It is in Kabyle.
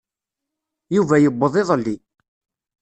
Yuba yewweḍ iḍelli.